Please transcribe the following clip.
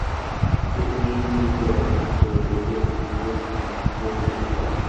এতে নিজ নিজ দল ও জোটের ভোট ভাগ হয়ে যেতে পারে।